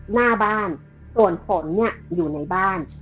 หน้าบ้านส่วนฝนเนี่ยอยู่ในบ้าน